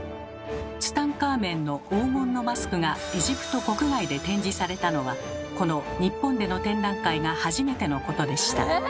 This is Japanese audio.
ツタンカーメンの「黄金のマスク」がエジプト国外で展示されたのはこの日本での展覧会が初めてのことでした。